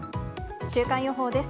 週間予報です。